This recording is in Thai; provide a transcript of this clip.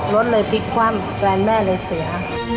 รถเลยพลิกคว่ำแฟนแม่เลยเสีย